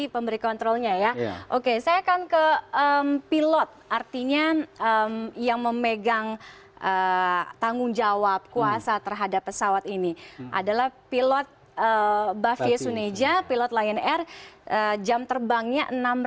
pemberi kontrolnya ya oke saya akan ke pilot artinya yang memegang tanggung jawab kuasa terhadap pesawat ini adalah pilot bavie suneja pilot lion air jam terbangnya